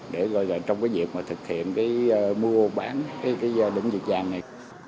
để gọi là trong cái việc mà thực hiện cái mua bán cái giá đúng dịch vàng này